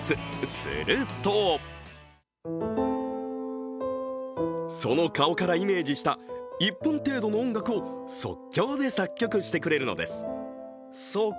するとその顔からイメージした１分程度の音楽を即興で作曲してくれるのです。